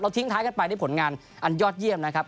ทิ้งท้ายกันไปด้วยผลงานอันยอดเยี่ยมนะครับ